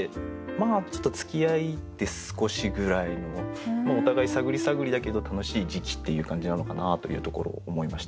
ちょっとつきあって少しぐらいのお互い探り探りだけど楽しい時期っていう感じなのかなというところを思いました。